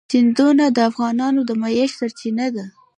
سیندونه د افغانانو د معیشت سرچینه ده.